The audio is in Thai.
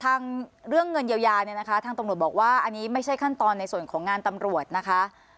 เรื่องเงินเยียวยาเนี่ยนะคะทางตำรวจบอกว่าอันนี้ไม่ใช่ขั้นตอนในส่วนของงานตำรวจนะคะ